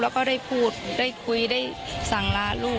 แล้วก็ได้พูดได้คุยได้สั่งลาลูก